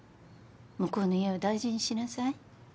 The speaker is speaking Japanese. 向こうの家を大事にしなさい。